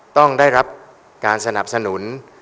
ต้องได้รับการสนับสนุน